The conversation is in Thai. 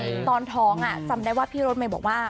ตอนท้องอ่ะจำได้ว่าพี่รถเมย์บอกว่า